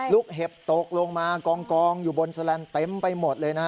ลูกเห็บตกลงมากองอยู่บนเซลลันต์เต้มไปหมดเลย